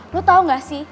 lu tau gak sih